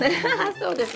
そうですね。